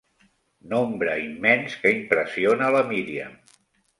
Nombre immens que impressiona la Míriam.